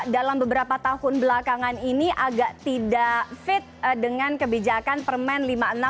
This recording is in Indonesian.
dalam beberapa tahun belakangan ini agak tidak fit dengan kebijakan permen lima puluh enam dua ribu enam belas